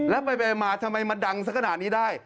แล้วไปมาทำไมมาดังสักขนาดนี้ได้